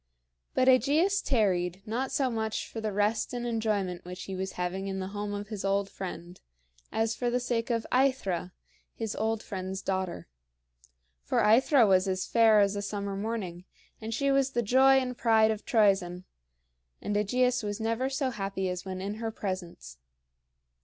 But AEgeus tarried, not so much for the rest and enjoyment which he was having in the home of his old friend, as for the sake of AEthra, his old friend's daughter. For AEthra was as fair as a summer morning, and she was the joy and pride of Troezen; and AEgeus was never so happy as when in her presence.